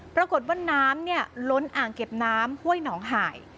ปรากฏว่าน้ำล้นอ่างเก็บน้ำห้วยหนองหาย